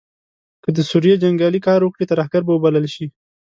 که د سوریې جنګیالې کار وکړي ترهګر به وبلل شي.